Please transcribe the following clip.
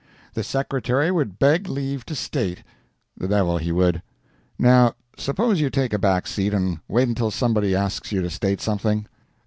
'The Secretary would beg leave to state!' The devil he would. Now suppose you take a back seat, and wait until somebody asks you to state something.